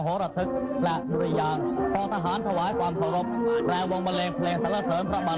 พระแสงของงาวแดนฝนภาค